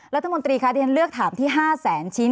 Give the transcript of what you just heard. แล้วท่านมนตรีคะเรียกถามที่๕๐๐๐๐๐ชิ้น